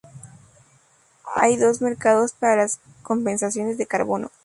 Hay dos mercados para las compensaciones de carbono.